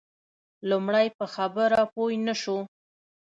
لومړی په خبره پوی نه شو.